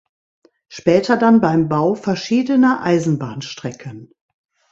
Später dann beim Bau verschiedener Eisenbahnstrecken.